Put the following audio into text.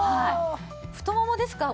太ももですか？